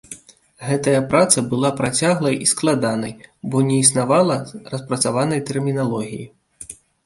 Гэтая праца была працяглай і складанай, бо не існавала распрацаванай тэрміналогіі.